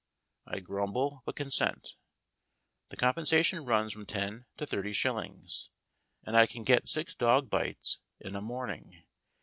I grumble, but consent. The compensation runs from ten to thirty shillings, and I can get six dog bites in a morning.